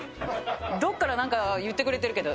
どっからなんか言ってくれてるけど。